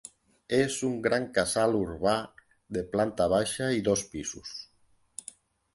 És un gran casal urbà de planta baixa i dos pisos.